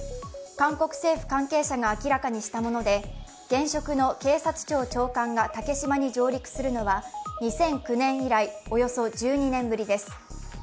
韓国政府関係者が明らかにしたもので現職の警察庁長官が竹島に上陸するのは２００９年以来、およそ１２年ぶりです。